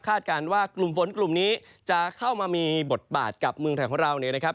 การว่ากลุ่มฝนกลุ่มนี้จะเข้ามามีบทบาทกับเมืองไทยของเราเนี่ยนะครับ